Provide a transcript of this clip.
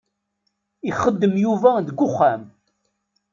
Ixeddem Yuba deg uxxam.